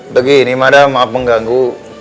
begini madam maaf mengganggu